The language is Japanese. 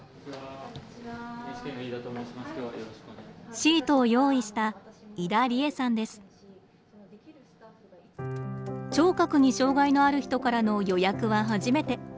シートを用意した聴覚に障害のある人からの予約は初めて。